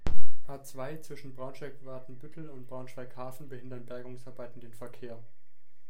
A-zwei, zwischen Braunschweig-Watenbüttel und Braunschweig-Hafen behindern Bergungsarbeiten den Verkehr.